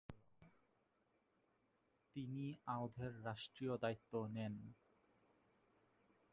তিনি আওধের রাষ্ট্রীয় দায়িত্ব নেন।